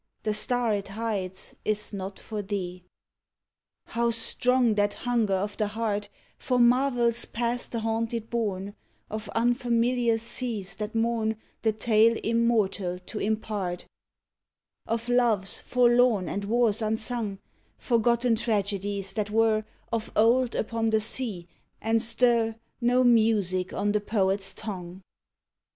The star it hides is not for thee. How strong that hunger of the heart For marvels past the haunted bourne Of unfamiliar seas that mourn The tale immortal to impart Of loves forlorn and wars unsung, Forgotten tragedies that were Of old upon the sea, and stir No music on the poet's tongue.